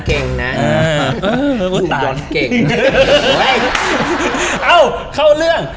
เอ้าเข้าเรื่อง